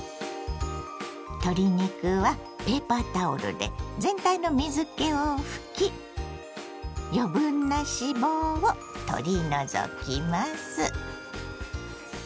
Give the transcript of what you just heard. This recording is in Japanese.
鶏肉はペーパータオルで全体の水けを拭き余分な脂肪を取り除きます。